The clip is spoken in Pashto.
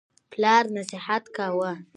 پلار نصیحت کاوه.